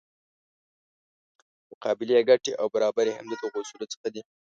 متقابلې ګټې او برابري هم د دغو اصولو څخه دي.